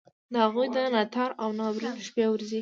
د هغوی د ناتار او ناورین شپې ورځي.